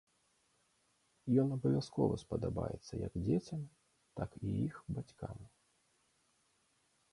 Ён абавязкова спадабаецца як дзецям, так і іх бацькам.